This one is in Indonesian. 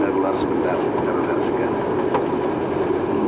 ya saya keluar sebentar saya rogol sekarang